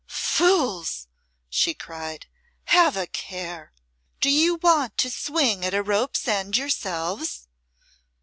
"Fools!" she cried; "have a care. Do you want to swing at a rope's end yourselves?"